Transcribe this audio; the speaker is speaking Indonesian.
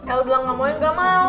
el bilang gak mau ya gak mau